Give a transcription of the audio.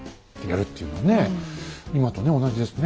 今とね同じですね。